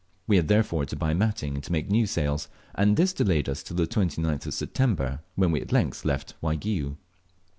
We had therefore to buy matting and make new sails, and this delayed us till the 29th of September, when we at length left Waigiou.